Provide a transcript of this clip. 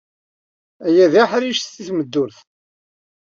Aya d aḥric seg tmeddurt.